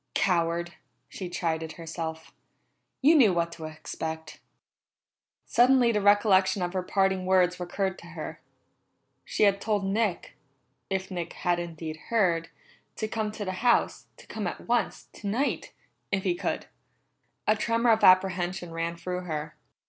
"Coward!" she chided herself. "You knew what to expect." Suddenly the recollection of her parting words recurred to her. She had told Nick if Nick had indeed heard to come to the house, to come at once, tonight, if he could. A tremor of apprehension ran through her.